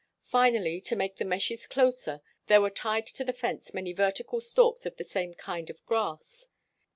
Finally to make the meshes closer, there were tied to the fence many vertical stalks of the same kind of grass.